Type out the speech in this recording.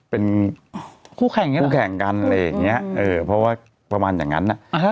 เป็นคู่แข่งคู่แข่งกันอะไรอย่างเงี้ยเออเพราะว่าประมาณอย่างงั้น